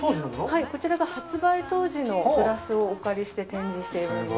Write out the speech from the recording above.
はいこちらが発売当時のグラスをお借りして展示しているんです